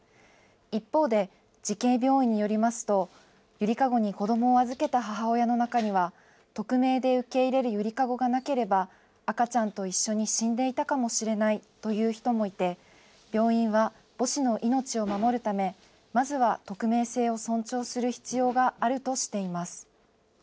一方で慈恵病院によりますと、ゆりかごに子どもを預けた母親の中には、匿名で受け入れるゆりかごがなければ、赤ちゃんと一緒に死んでいたかもしれないという人もいて、病院は母子の命を守るため、まずは匿名性を尊重する必要があるとしています。